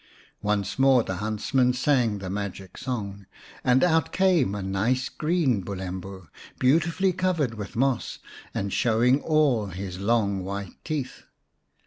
Once more the huntsmen sang the magic song, and out came a nice green Bulembu, beautifully covered with moss, and showing all his long white teeth.